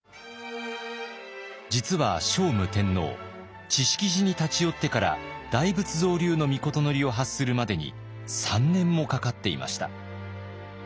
実は聖武天皇智識寺に立ち寄ってから大仏造立の詔を発するまでに３年もかかっていました。